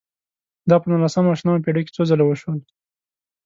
دا په نولسمه او شلمه پېړۍ کې څو ځله وشول.